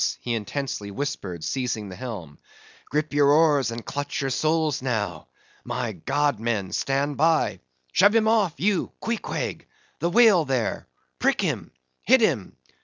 he intensely whispered, seizing the helm—"gripe your oars, and clutch your souls, now! My God, men, stand by! Shove him off, you Queequeg—the whale there!—prick him!—hit him!